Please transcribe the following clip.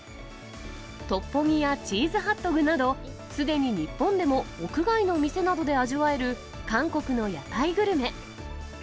トッポギやチーズハットグなど、すでに日本でも屋外の店などで味わえる韓国の屋台グルメ。